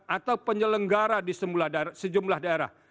atau penyelenggara di sejumlah daerah